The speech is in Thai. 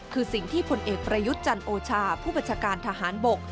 คือสิ่งที่ผลเอกประยุทธ์จันโอชาผู้บัญชาการทหารบก